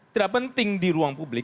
tidak penting di ruang publik